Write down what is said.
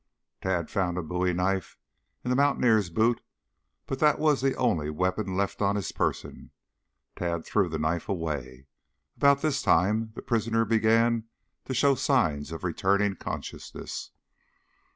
Tad found a bowie knife in the mountaineer's boot, but that was the only weapon left on his person. Tad threw the knife away. About this time the prisoner began to show signs of returning consciousness.